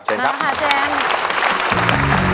นะคะเจมส์